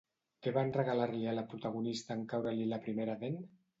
Què van regalar-li a la protagonista en caure-li la primera dent?